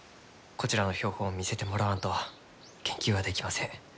こちらの標本を見せてもらわんと研究はできません。